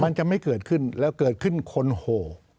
มันจะไม่เกิดขึ้นแล้วเกิดขึ้นคนโห